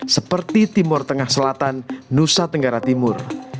seperti timur tengah selatan nusa tenggara timur